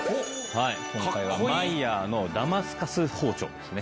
今回はマイヤーのダマスカス包丁ですね。